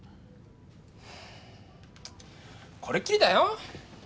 これっきりだよ